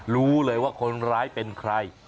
รู้เลยว่าคนร้ายเป็นใคร